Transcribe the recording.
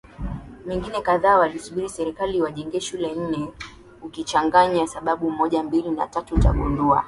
mingine kadhaa walisubiri serikali iwajengee shule Nne Ukichanganya sababu moja mbili na tatu utagundua